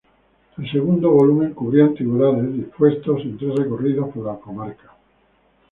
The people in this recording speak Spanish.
El segundo volumen cubría antigüedades, dispuestos en tres recorridos por la comarca.